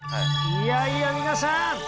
いやいや皆さん